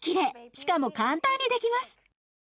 しかも簡単にできます。